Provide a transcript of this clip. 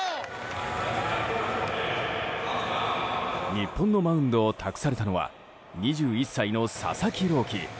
日本のマウンドを託されたのは２１歳の佐々木朗希。